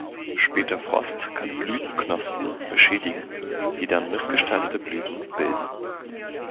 Später Frost kann Blütenknospen beschädigen, die dann missgestaltete Blüten bilden.